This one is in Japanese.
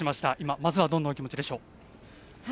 まずはどんなお気持ちでしょう？